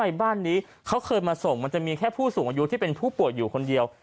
บ้านนี้เขาเคยมาส่งมันจะมีแค่ผู้สูงอายุที่เป็นผู้ป่วยอยู่คนเดียว